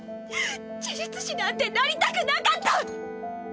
呪術師なんてなりたくなかった！